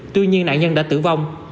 tuy nhiên nạn nhân đã tử vong